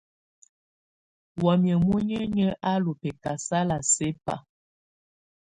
Wamɛ̀á muninyǝ́ á lɔ̀ bɛ̀kasala sɛ̀ba.